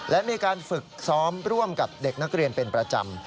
และมีการฝึกซ้อมร่วมกับเด็กนักเรียนเป็นประจำ